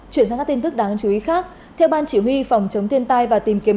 chuyển sang các tin tức đáng chú ý khác theo ban chỉ huy phòng chống thiên tai và tìm kiếm